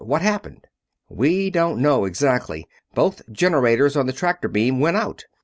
What happened?" "We don't know, exactly. Both generators on the tractor beam went out.